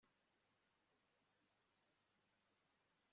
gusa ibi, kandi nta kindi